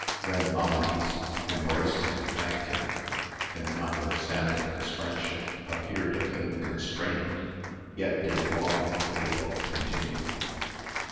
Then Amadis embraced him and thanked him ; and notwith standing this friendship appeared a thing constrained, yet did it long and faithfully continue.